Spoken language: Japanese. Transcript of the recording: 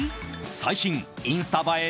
最新インスタ映え